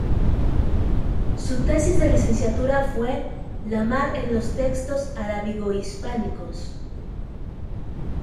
Su tesis de licenciatura fue "La mar en los textos arábigo-hispánicos.